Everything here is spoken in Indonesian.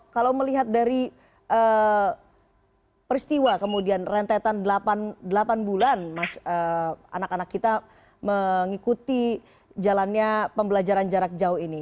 kalau melihat dari peristiwa kemudian rentetan delapan bulan anak anak kita mengikuti jalannya pembelajaran jarak jauh ini